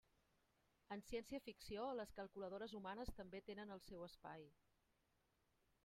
En ciència-ficció, les calculadores humanes també tenen el seu espai.